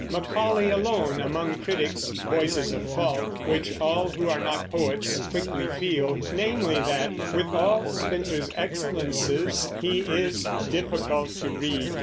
Macaulay alone among critics voices a fault which all who are not poets quickly feel, namely that, with all Spenser's excellences, he is difficult to read.